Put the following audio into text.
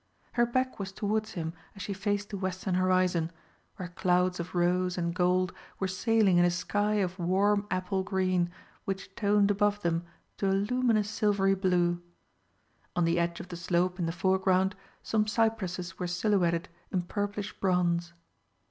Her back was towards him as she faced the western horizon, where clouds of rose and gold were sailing in a sky of warm apple green which toned above them to a luminous silvery blue. On the edge of the slope in the foreground some cypresses were silhouetted in purplish bronze.